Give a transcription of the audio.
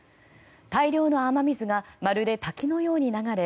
大量の雨水がまるで滝のように流れ